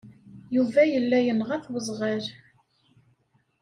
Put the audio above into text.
Yuba yella yenɣa-t weẓɣal.